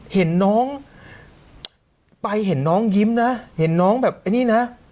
เห็นน้องไปเห็นน้องยิ้มนะเห็นน้องแบบไอ้นี่นะ